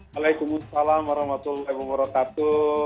waalaikumsalam warahmatullahi wabarakatuh